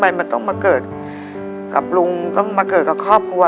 ป่าเป็นกระเป๋ารถเมลใช่ค่ะ